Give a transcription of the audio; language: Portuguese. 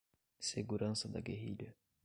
Segurança da Guerrilha